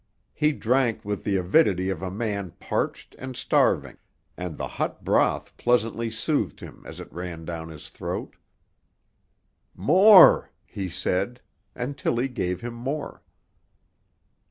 He drank with the avidity of a man parched and starving, and the hot broth pleasantly soothed him as it ran down his throat. "More!" he said, and Tilly gave him more.